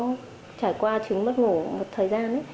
mình có trải qua trứng mất ngủ một thời gian